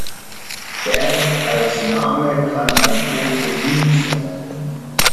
Berg als Name kann ein Toponym sein.